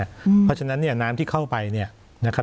เพราะฉะนั้นเนี่ยน้ำที่เข้าไปเนี่ยนะครับ